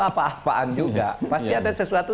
apa apaan juga pasti ada sesuatu